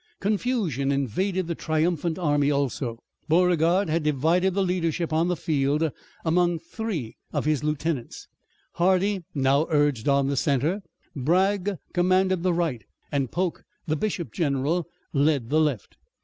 Confusion invaded the triumphant army also. Beauregard had divided the leadership on the field among three of his lieutenants. Hardee now urged on the center, Bragg commanded the right, and Polk, the bishop general, led the left.